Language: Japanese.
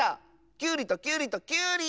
きゅうりときゅうりときゅうり！